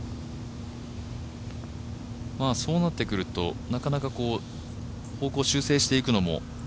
そうなってくるとなかなか方向を修正していくのも。